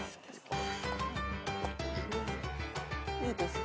いいですか？